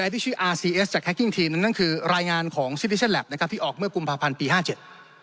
ที่ชื่อจากนั่นคือรายงานของนะครับที่ออกเมื่อกลุ่มภาพันธ์ปีห้าเจ็ด